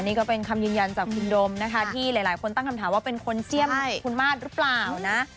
นี่ก็เป็นคำยืนยันจากคุณโดมนะคะที่หลายคนตั้งคำถามว่าเป็นคนเจี้ยมคุณมาสหรือเปล่านะ